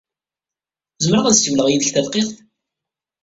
Zemreɣ ad ssiwleɣ yid-k tadqiqt?